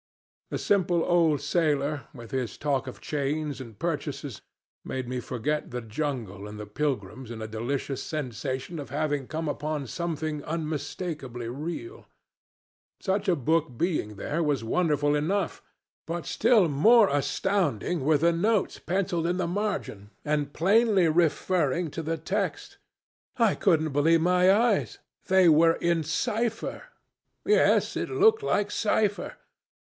The simple old sailor, with his talk of chains and purchases, made me forget the jungle and the pilgrims in a delicious sensation of having come upon something unmistakably real. Such a book being there was wonderful enough; but still more astounding were the notes penciled in the margin, and plainly referring to the text. I couldn't believe my eyes! They were in cipher! Yes, it looked like cipher.